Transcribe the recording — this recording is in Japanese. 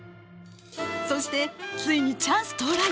そしてついにチャンス到来。